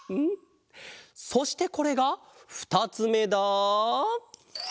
そしてこれがふたつめだ。